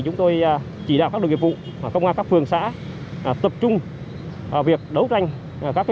chúng tôi chỉ đạo các đồng nghiệp vụ và công an các phường xã tập trung và việc đấu tranh các